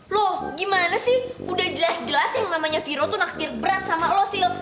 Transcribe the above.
loh gimana sih udah jelas jelas yang namanya viro tuh naksir berat sama osil